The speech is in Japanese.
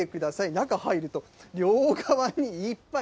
中入ると、両側にいっぱい。